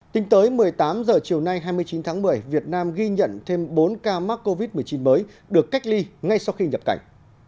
tính tới một mươi tám h chiều nay hai mươi chín tháng một mươi việt nam ghi nhận thêm bốn ca mắc covid một mươi chín mới được cách ly ngay sau khi nhập cảnh